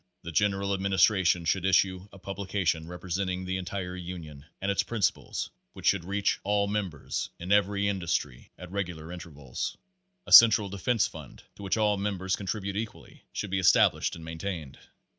The general administration should issue a publica tion representing the entire union and its principles which should reach all members in every industry at regular intervals. A central defense fund, to which all members con tribute equally, should be established and maintained.